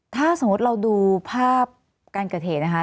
ถ้าสมมุติเราดูภาพการเกิดเหตุนะคะ